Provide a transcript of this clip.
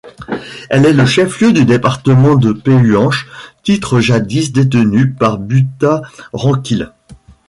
Elle est le chef-lieu du département de Pehuenches, titre jadis détenu par Buta Ranquil.